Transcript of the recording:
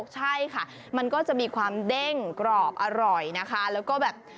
ใช่ค่ะมันก็จะมีความเด้นกรอบอร่อยนะคะ